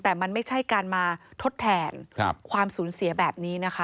แต่มันไม่ใช่การมาทดแทนความสูญเสียแบบนี้นะคะ